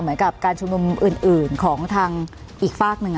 เหมือนกับการชุมนุมอื่นของทางอีกฝากหนึ่ง